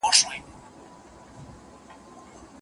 جمیله په کوم صورت کې طلاقه کیږي؟